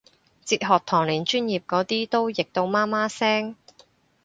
哲學堂連專業嗰啲都譯到媽媽聲